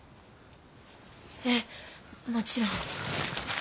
ええもちろん。